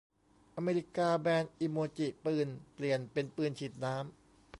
อเมริกาแบนอิโมจิปืน เปลี่ยนเป็นปืนฉีดน้ำ